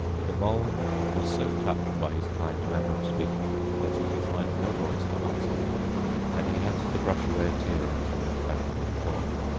The Mole was so touched by his kind manner of speaking that he could find no voice to answer him; and he had to brush away a tear or two with the back of his paw.